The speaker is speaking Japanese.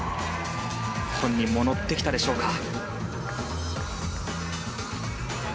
本人も乗ってきたでしょうか。